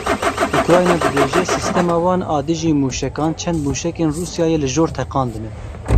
Ukrayna dibêje, sîstema wan a dijî mûşekan çend mûşekên Rûsyayê li jor teqandine.